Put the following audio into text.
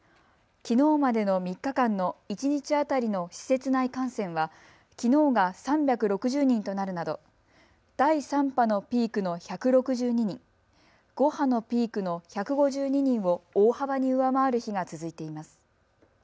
きのうまでの３日間の一日当たりの施設内感染はきのうが３６０人となるなど第３波のピークの１６２人、５波のピークの１５２人を大幅に上回る日が続いています。